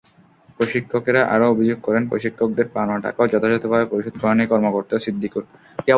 প্রশিক্ষকেরা আরও অভিযোগ করেন, প্রশিক্ষকদের পাওনা টাকাও যথাযথভাবে পরিশোধ করেননি কর্মকর্তা সিদ্দিকুর।